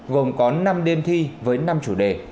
gồm có năm đêm thi với năm chủ đề